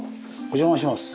お邪魔します。